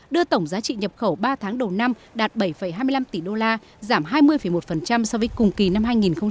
đưa tổng giá trị nhập khẩu ba tháng đầu năm đạt bảy hai mươi năm tỷ đô la giảm hai mươi một so với cùng kỳ năm hai nghìn một mươi chín